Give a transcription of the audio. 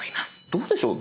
どうでしょう？